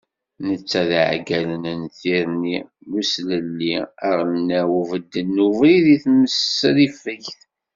Netta d iɛeggalen n ti rni n uselelli aɣelnaws ubeddel n ubrid i temsrifegt.